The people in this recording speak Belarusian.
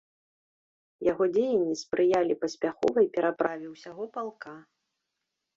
Яго дзеянні спрыялі паспяховай пераправе ўсяго палка.